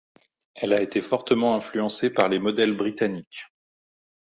Elle a été fortement influencée par les modèles britanniques.